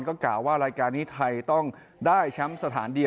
ก็กล่าวว่ารายการนี้ไทยต้องได้ชม๑สถาน